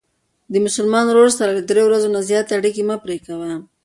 د مسلمان ورور سره له درې ورځو نه زیاتې اړیکې مه پری کوه.